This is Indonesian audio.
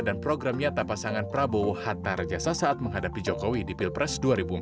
program nyata pasangan prabowo hatta rajasa saat menghadapi jokowi di pilpres dua ribu empat belas